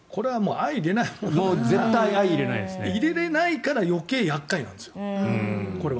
相容れないから余計厄介なんですよこれは。